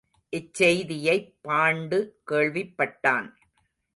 இச் செய்தியைப் பாண்டு கேள்விப்பட்டான்.